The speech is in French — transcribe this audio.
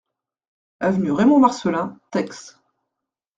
Avenue Raymond Marcellin, Theix